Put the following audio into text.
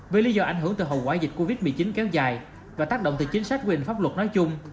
vì lý do ảnh hưởng từ hậu quả dịch covid một mươi chín kéo dài và tác động từ chính sách quyền pháp luật nói chung